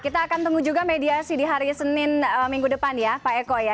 kita akan tunggu juga mediasi di hari senin minggu depan ya pak eko ya